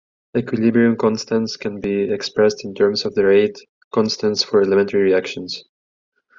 Equilibrium constants can be expressed in terms of the rate constants for elementary reactions.